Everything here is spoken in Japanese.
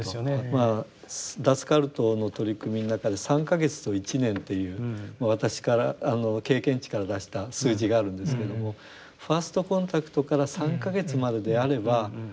まあ脱カルトの取り組みの中で３か月と１年っていう私から経験値から出した数字があるんですけどもファーストコンタクトから３か月までであればほぼ１００％。